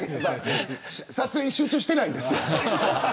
撮影に集中してないんですよ。